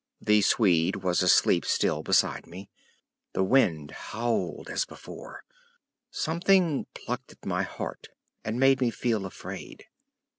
The Swede was asleep still beside me; the wind howled as before; something plucked at my heart and made me feel afraid.